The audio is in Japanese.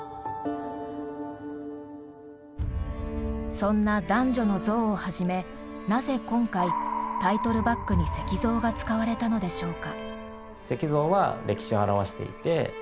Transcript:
そんな男女の像をはじめなぜ今回タイトルバックに石像が使われたのでしょうか。